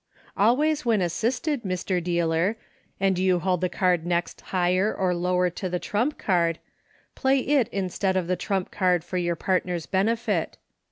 Always when assisted, Mr. Dealer, and you hold the card next higher or lower to the trump card, play it instead of the trump card for your partner's benefit.